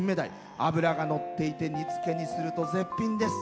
脂が乗っていて煮つけにすると絶品です。